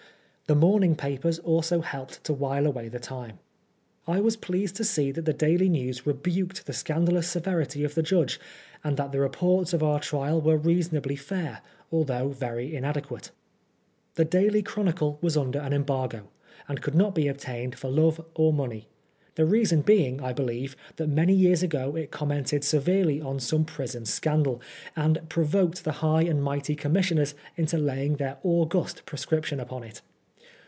The morning papers also helped to wile away the time. I was pleased to see that the Daily News rebuked the scandalous severity of the judge, and that the reports of our trial were reasonably fair, although very inadequate. The Daily Chronicle was under an embargo, and could not be obtained for love or money ; the reason being, I believe, that many years ago it commented severely on some prison scandal, and provoked the high and mighty Commissioners into laying their august proscription upon it.